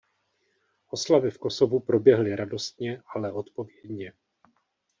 Oslavy v Kosovu proběhly radostně, ale odpovědně.